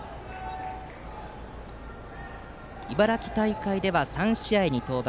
茨城大会では３試合に登板。